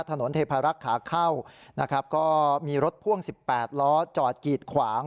เทพารักษ์ขาเข้านะครับก็มีรถพ่วง๑๘ล้อจอดกีดขวาง